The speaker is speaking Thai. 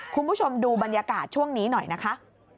คุณผู้ชมดูบรรยากาศช่วงนี้หน่อยนะคะ